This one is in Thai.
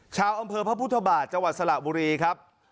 ชาวอำเภอพระพุทธบาทจังหวัดสระบุรีครับ